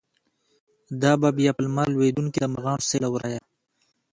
دابه بیا په لمر لویدوکی، دمرغانو سیل له ورایه”